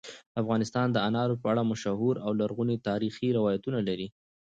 افغانستان د انارو په اړه مشهور او لرغوني تاریخی روایتونه لري.